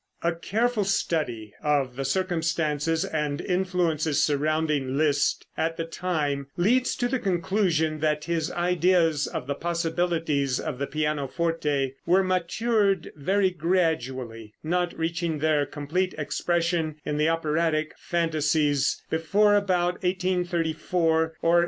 A careful study of all the circumstances and influences surrounding Liszt at the time, leads to the conclusion that his ideas of the possibilities of the pianoforte were matured very gradually, not reaching their complete expression in the operatic fantasias before about 1834 or 1835.